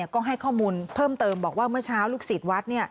ก็ให้ข้อมูลเพิ่มเติมบอกว่าเมื่อเช้าลูกศิษย์วัด